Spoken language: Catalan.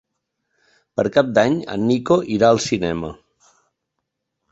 Per Cap d'Any en Nico irà al cinema.